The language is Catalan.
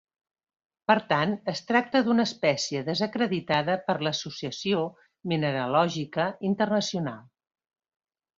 Per tant es tracta d'una espècie desacreditada per l'Associació Mineralògica Internacional.